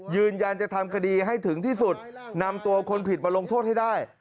ยืนยันจะทำคดีให้ถึงที่สุดนำตัวคนผิดมาลงโทษให้ได้